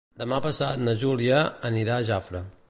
Demà passat na Júlia anirà a Jafre.